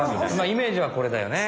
イメージはこれだよね。